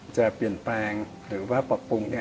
จะเปลี่ยนแปลงหรือว่าปรับปรุง